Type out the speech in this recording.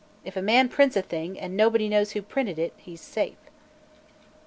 If a man prints a thing, and nobody knows who printed it, he's safe."